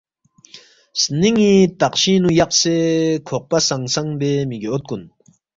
سنینگی تقشینگ نو یقسے کھوقپہ سنگ سنگ بے میگی اوت کن